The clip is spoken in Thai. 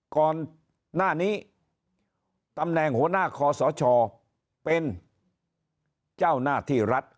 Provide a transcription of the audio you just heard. ก่อนหน้านี้ตำแหน่งหัวหน้าคอสชเป็นเจ้าหน้าที่รัฐ